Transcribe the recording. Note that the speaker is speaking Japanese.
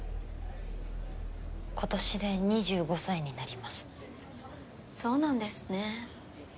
今年で２５歳になりますそうなんですね